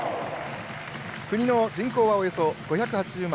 国の人口はおよそ５８０万。